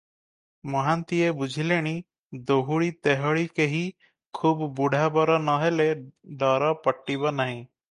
ମହାନ୍ତିଏ ବୁଝିଲେଣି, ଦୋହୁଳି ତେହଳି କେହି, ଖୁବ୍ ବୁଢା ବର ନ ହେଲେ ଦର ପଟିବ ନାହିଁ ।